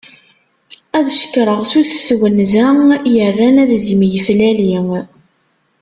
Ad cekreɣ sut twenza, yerran abzim yeflali.